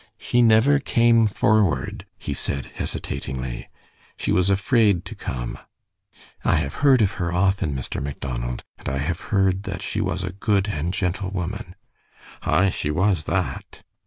"She never came forward," he said, hesitatingly. "She was afraid to come." "I have heard of her often, Mr. Macdonald, and I have heard that she was a good and gentle woman." "Aye, she was that."